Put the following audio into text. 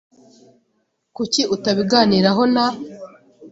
Kuki utabiganiraho na ?